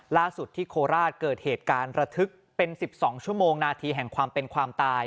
ล่าสุดที่โคราชเกิดเหตุการณ์ระทึกเป็น๑๒ชั่วโมงนาทีแห่งความเป็นความตาย